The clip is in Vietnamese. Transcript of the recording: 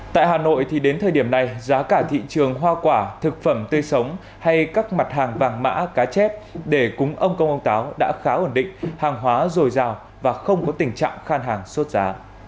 tại hà nội thì đến thời điểm này giá cả thị trường hoa quả thực phẩm tươi sống hay các mặt hàng vàng mã cá chép để cúng ông công ông táo đã khá ổn định hàng hóa dồi dào và không có tình trạng khan hàng sốt giá